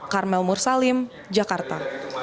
karmel mursalim jakarta